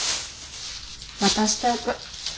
渡しておく。